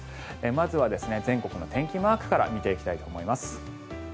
まずは全国の天気マークから見ていきたいと思います。